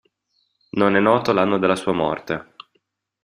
Non è noto l'anno della sua morte.